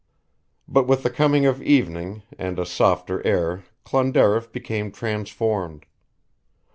But with the coming of evening and a softer air Clonderriff became transformed.